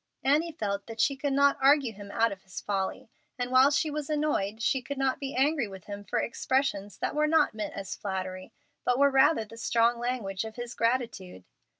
Annie felt that she could not argue him out of his folly; and while she was annoyed, she could not be angry with him for expressions that were not meant as flattery, but were rather the strong language of his gratitude.